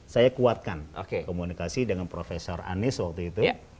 saya kuatkan komunikasi dengan prof anies waktu itu